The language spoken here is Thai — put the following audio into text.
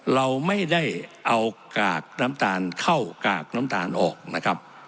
เราไม่ได้เอากากน้ำตาลเข้ากากน้ำตาลออกนะครับ